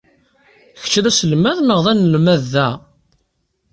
Kecc d aselmad neɣ d anelmad da?